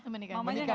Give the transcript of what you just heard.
menikahnya saja ldl